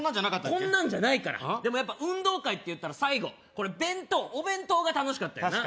こんなんじゃないからでもやっぱり運動会っていったら最後これ弁当お弁当が楽しかったよな